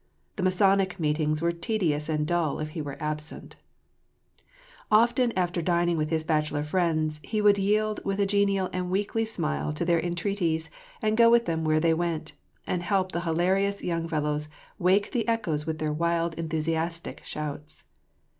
The Masonic meetings were tedious and dull if he were absent Often after dining with his bachelor friends, he would yield with a genial and weakly smile to their entreaties, and go with them where they went, and help the hilarious young fellows wake the echoes with their wild enthusiastic shouts.